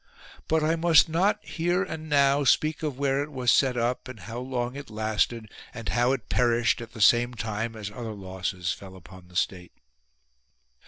But I must not, here and now, speak of where it was set up, and how long it lasted, and how it perished at the same time as other losses fell upon the state.